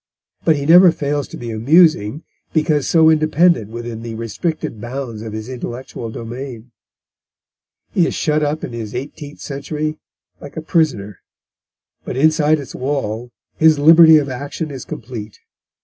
But he never fails to be amusing, because so independent within the restricted bounds of his intellectual domain. He is shut up in his eighteenth century like a prisoner, but inside its wall his liberty of action is complete.